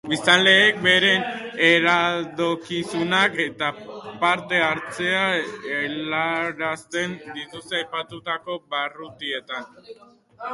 Biztanleek beren iradokizunak eta parte-hartzea helarazten dituzte aipatutako barrutietan.